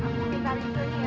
aku pindahin tadi ya